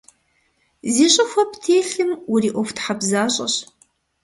Зи щIыхуэ птелъым уриIуэхутхьэбзащIэщ.